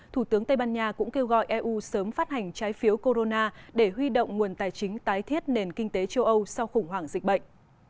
thủ tướng tây ban nha cũng kêu gọi eu sớm phát hành trái phiếu corona để huy động nguồn tài chính tái thiết nền kinh tế châu âu sau khủng hoảng dịch bệnh